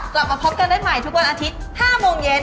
กลับมาพบกันได้ใหม่ทุกวันอาทิตย์๕โมงเย็น